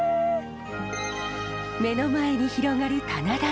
目の前に広がる棚田の里